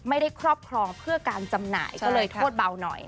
ครอบครองเพื่อการจำหน่ายก็เลยโทษเบาหน่อย